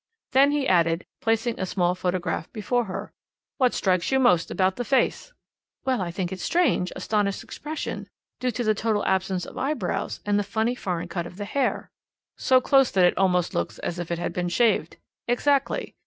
Then he added, placing a small photograph before her: "What strikes you most about the face?" "Well, I think its strange, astonished expression, due to the total absence of eyebrows, and the funny foreign cut of the hair." "So close that it almost looks as if it had been shaved. Exactly.